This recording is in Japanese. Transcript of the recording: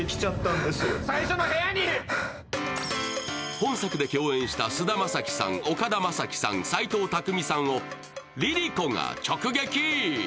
本作で共演した菅田将暉さん、岡田将生さん、斎藤工さんをＬｉＬｉＣｏが直撃。